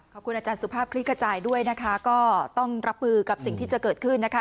ขอบคุณอาจารย์สุภาพคลิกกระจายด้วยนะคะก็ต้องรับมือกับสิ่งที่จะเกิดขึ้นนะคะ